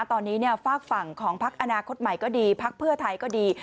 ตอนนี้ฝากฝั่งของพักอนาคตใหม่ก็ดีพักเพื่อไทยก็ดี